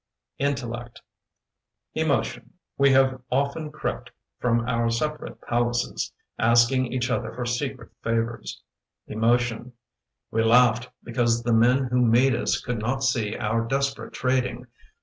Intellect Emotion, we have often crept From our separate palaces, Asking each other for secret favors. Emotion We laughed because the men who made us Could not see our desperate trading.